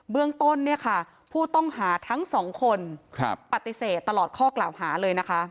เรื่องต้นเนี่ยค่ะผู้ต้องหาทั้งสองคนปฏิเสธตลอดข้อกล่าวหาเลยนะคะ